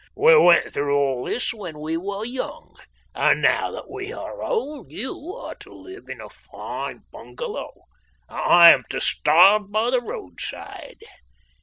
We went through all this when we were young, and now that we are old you are to live in a fine bungalow, and I am to starve by the roadside.